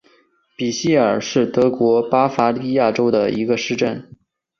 比希尔是德国巴伐利亚州的一个市镇。